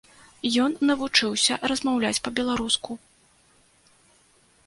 Ён навучыўся размаўляць па-беларуску.